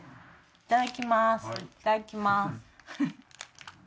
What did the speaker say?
いただきます。